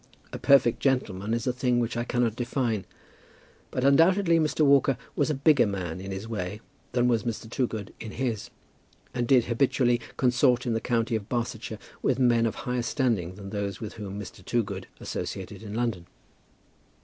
A perfect gentleman is a thing which I cannot define. But undoubtedly Mr. Walker was a bigger man in his way than was Mr. Toogood in his, and did habitually consort in the county of Barsetshire with men of higher standing than those with whom Mr. Toogood associated in London.